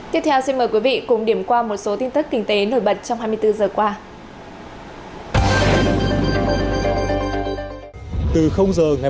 tiếp theo xin mời quý vị cùng điểm qua một số tin tức kinh tế nổi bật trong hai mươi bốn giờ qua